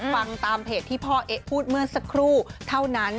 ฟังตามเพจที่พ่อเอ๊ะพูดเมื่อสักครู่เท่านั้น